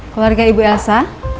keluarga ibu elsa